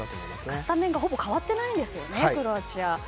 スタメンがほぼ変わってないんですよねクロアチアは。